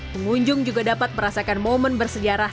pengunjung juga dapat merasakan momen bersejarah